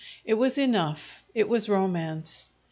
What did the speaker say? It was enough. It was romance!